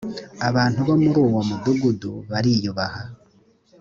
abantu bo muri uwo mudugudu bariuyubaha